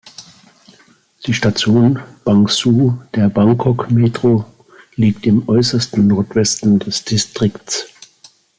Die Station Bang Sue der Bangkok Metro liegt im äußersten Nordwesten des Distrikts.